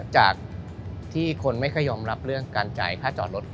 จากที่คนไม่ค่อยยอมรับเรื่องการจ่ายค่าจอดรถ